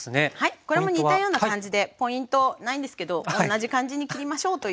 これも似たような感じでポイントないんですけど同じ感じに切りましょうという感じですね。